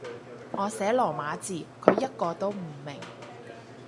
我寫羅馬字，佢一個都唔明